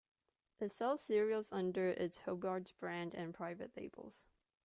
It sells cereals under its Hubbards brand and private labels.